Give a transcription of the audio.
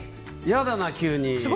嫌だな、急に。